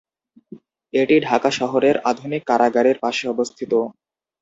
এটি ঢাকা শহরের আধুনিক কারাগারের পাশে অবস্থিত।